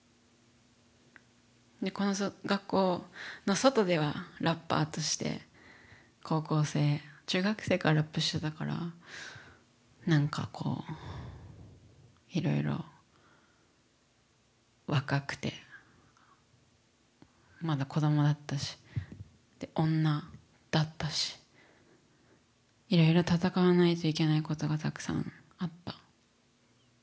でこの学校の外ではラッパーとして高校生中学生からラップしてたから何かこういろいろ若くてまだ子どもだったしで女だったしいろいろ戦わないといけないことがたくさんあった。